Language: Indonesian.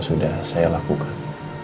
sudah saya lakukan